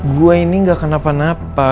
gue ini gak kenapa napa